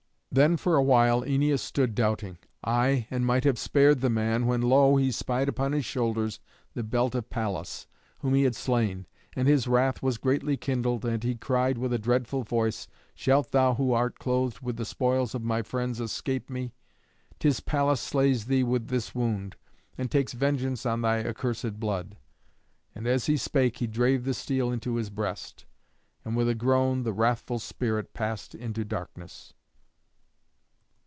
Then for awhile Æneas stood doubting; aye, and might have spared the man, when lo! he spied upon his shoulders the belt of Pallas, whom he had slain. And his wrath was greatly kindled, and he cried with a dreadful voice, "Shalt thou who art clothed with the spoils of my friends escape me? 'Tis Pallas slays thee with this wound, and takes vengeance on thy accursed blood." And as he spake he drave the steel into his breast. And with a groan the wrathful spirit passed into darkness.